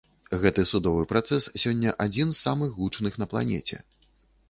Гэты судовы працэс сёння адзін з самых гучных на планеце.